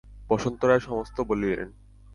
বসন্ত রায় সমস্ত বলিলেন।